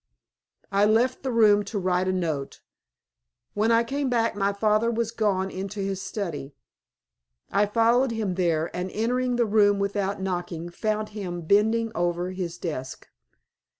I left the room to write a note. When I came back my father had gone into his study. I followed him there, and, entering the room without knocking, found him bending over his desk.